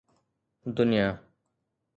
دنيا